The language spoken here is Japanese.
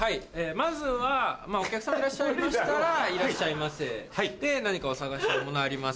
まずはお客様いらっしゃいましたら「いらっしゃいませ」で「何かお探しの物ありますか？」。